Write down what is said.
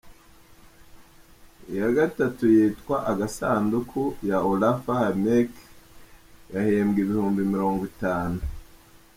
Iya Gatatu yitwa “Agasanduku” ya Olaf Hamelek, yahembwe ibihumbi mirongo itanu.